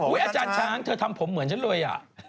อาจารย์ช้างเธอทำผมเหมือนฉันเลย